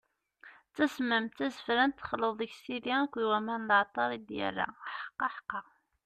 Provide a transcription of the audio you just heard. D tasemmamt, d tazefrant, texleḍ deg-s tidi akked waman n leɛṭer i d-yerra, ḥqaḥqa!